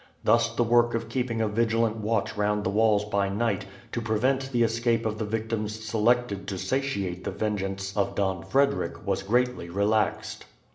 Thus the work of keeping a vigilant watch round the walls by night, to prevent the escape of the victims selected to satiate the vengeance of Don Frederick, was greatly relaxed.